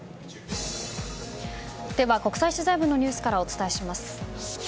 国際取材部のニュースからお伝えします。